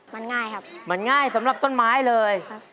มันง่ายครับมันง่ายสำหรับต้นไม้เลยครับ